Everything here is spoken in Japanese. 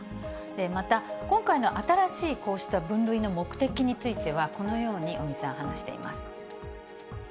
また今回の新しいこうした分類の目的については、このように尾身さん話しています。